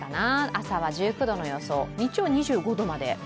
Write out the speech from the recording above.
朝は１９度の予想、日中は２５度まで。